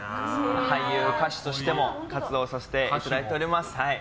俳優・歌手としても活動させていただいております。